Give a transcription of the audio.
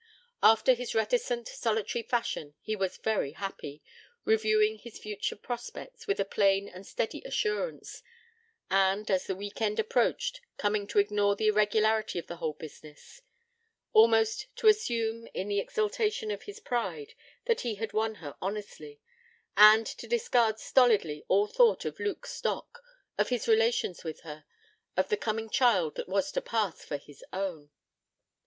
After his reticent, solitary fashion, he was very happy, reviewing his future prospects, with a plain and steady assurance, and, as the week end approached, coming to ignore the irregularity of the whole business: almost to assume, in the exaltation of his pride, that he had won her honestly; and to discard, stolidly, all thought of Luke Stock, of his relations with her, of the coming child that was to pass for his own.